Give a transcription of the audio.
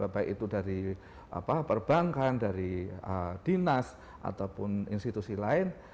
baik itu dari perbankan dari dinas ataupun institusi lain